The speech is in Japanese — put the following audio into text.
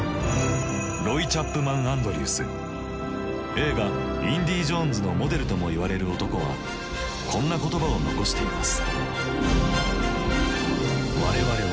映画「インディ・ジョーンズ」のモデルともいわれる男はこんな言葉を残しています。